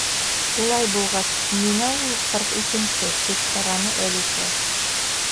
—Улай булғас, ниңә ул ҡырҡ икенсе? —тип һораны Әлисә.